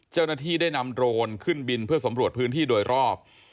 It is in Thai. เจ้าหน้าที่ได้นำโรนขึ้นบินเพื่อสำรวจพื้นที่โดยรอบ